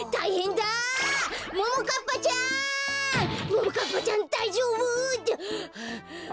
ももかっぱちゃんだいじょうぶ？はああっ？